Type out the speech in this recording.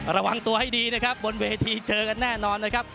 ระวังตัวให้ดีนะครับบนเวทีเจอกันแน่นอนนะครับ